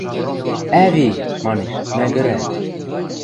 Ӓви! – манеш, мӓгӹрӓ.